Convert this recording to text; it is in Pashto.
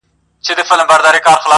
په دې ډند کي هره ورځ دغه کیسه وه -